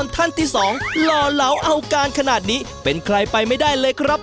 ท่านที่๒หล่อเหลาเอาการขนาดนี้เป็นใครไปไม่ได้เลยครับ